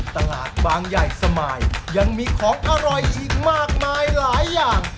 ตลาดบางใหญ่สมายยังมีของอร่อยอีกมากมายหลายอย่าง